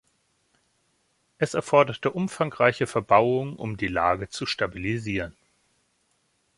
Es erforderte umfangreiche Verbauungen, um die Lage zu stabilisieren.